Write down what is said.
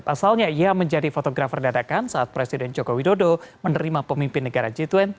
pasalnya ia menjadi fotografer dadakan saat presiden joko widodo menerima pemimpin negara g dua puluh